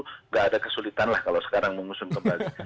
tidak ada kesulitan lah kalau sekarang mengusung kembali